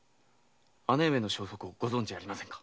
姉上の消息ご存じありませんか？